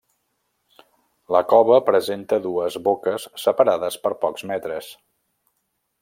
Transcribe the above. La cova presenta dues boques separades per pocs metres.